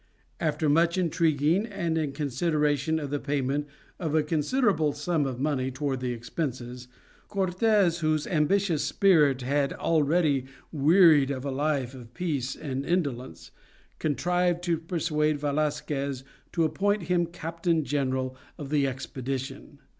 After much intriguing and in consideration of the payment of a considerable sum of money toward the expenses, Cortes whose ambitious spirit had already wearied of a life of peace and indolence, contrived to persuade Velasquez to appoint him Captain General of the expedition.